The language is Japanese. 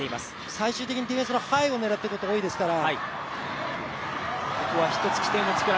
最終的にラインの背後を狙っていくことが多いですから。